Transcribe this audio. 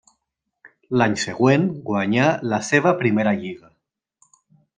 L'any següent guanyà la seva primera lliga.